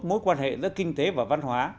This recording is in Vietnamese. mối quan hệ giữa kinh tế và văn hóa